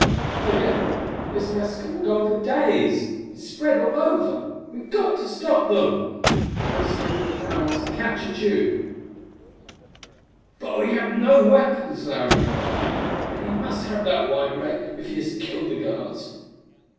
If they get them, this massacre will go on for days! and spread all over! We've got to stop them! We must get in the Power House and capture Tugh!" "But we have no weapons!" Larry cried. "And he must have that white ray, if he has killed the guards!"